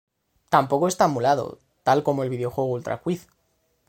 Tampoco está emulado, tal como el videojuego Ultra Quiz.